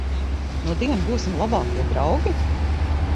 Nudien būsim labākie draugi?